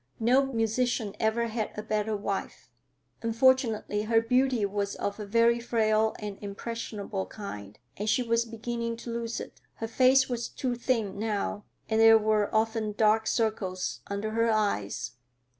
No musician ever had a better wife. Unfortunately her beauty was of a very frail and impressionable kind, and she was beginning to lose it. Her face was too thin now, and there were often dark circles under her eyes.